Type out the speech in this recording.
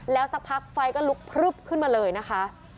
แล้วสักพักไฟก็ลุกพลึบขึ้นมาเลยนะคะ